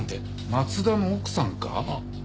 松田の奥さんか？